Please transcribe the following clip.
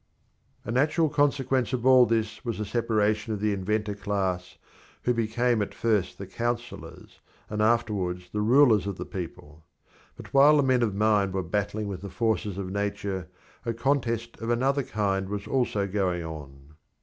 A natural consequence of all this was the separation of the inventor class, who became at first the counsellors and afterwards the rulers of the people. But while the men of mind were battling with the forces of Nature, a contest of another kind was also going on.